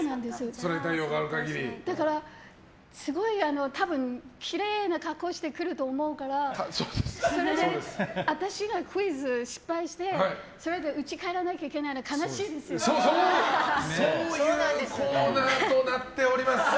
だから、すごいきれいな格好してくると思うからそれで私がクイズ失敗してそれでうちに帰らなきゃいけないのはそういうコーナーとなっております！